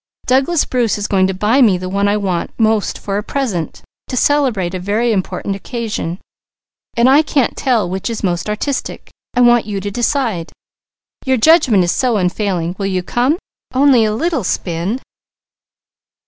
Douglas Bruce is going to buy me the one I want most for a present, to celebrate a very important occasion, and I can't tell which is most artistic. I want you to decide. Your judgment is so unfailing. Will you come? Only a little spin!"